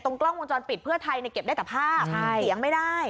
กล้องวงจรปิดเพื่อไทยเก็บได้แต่ภาพเสียงไม่ได้